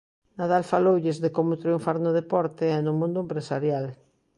Nadal faloulles de como triunfar no deporte e no mundo empresarial.